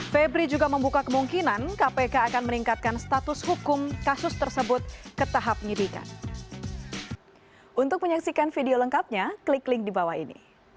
febri juga membuka kemungkinan kpk akan meningkatkan status hukum kasus tersebut ke tahap penyidikan